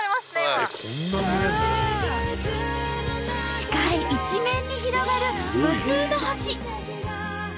視界一面に広がる無数の星！